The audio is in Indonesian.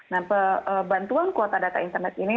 nah bantuan kuota data internet ini